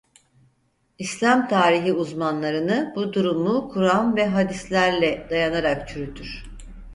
İslam tarihi uzmanlarını bu durumu Kur'an ve hadislerle dayanarak çürütür.